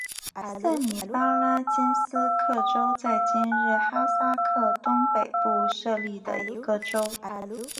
塞米巴拉金斯克州在今日哈萨克东北部设立的一个州。